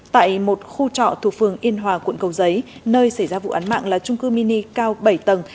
tại một khu trọ thuộc phường yên hòa quận cầu giấy nơi xảy ra vụ án mạng là trung cư mini cao bảy tầng